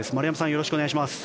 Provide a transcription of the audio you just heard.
よろしくお願いします。